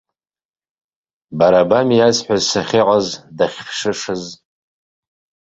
Бара бами иазҳәаз сахьыҟаз, дахьԥшышаз?